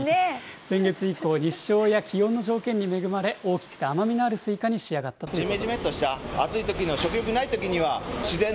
先月以降、日照や気温の条件に恵まれ、大きくて甘みのあるすいかに仕上がったということです。